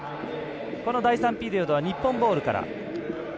この第３ピリオドは日本ボールから。